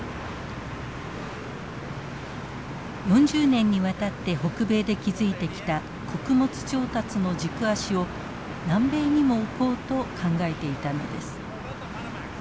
４０年にわたって北米で築いてきた穀物調達の軸足を南米にも置こうと考えていたのです。